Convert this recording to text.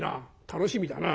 楽しみだな。